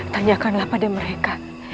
tanyakanlah pada mereka